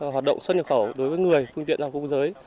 hoạt động xuất nhập khẩu đối với người phương tiện ra quốc giới